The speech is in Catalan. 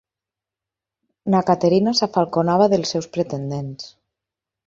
Na Caterina s'afalconava dels seus pretendents.